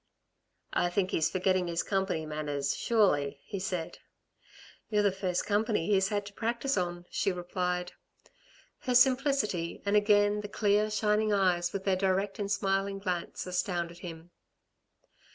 "I think he's forgetting his company manners, surely," he said. "You're the first company he's had to practise on," she replied. Her simplicity, and again the clear, shining eyes with their direct and smiling glance astounded him.